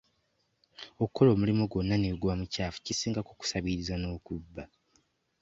Okukola omulimu gwonna ne bwe guba mukyafu kisingako okusabiriza n'okubba.